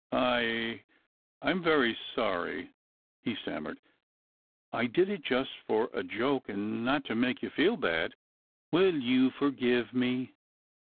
"I I'm very sorry," he stammered. "I did it just for a joke and not to make you feel bad. Will you forgive me?"